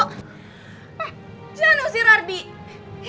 yang jamu jedenang gua